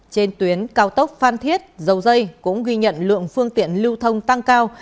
trên tuyến cao tốc phan thiết dầu dây cũng ghi nhận lượng phương tiện lưu thông tăng cao